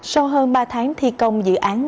sau hơn ba tháng thi công dự án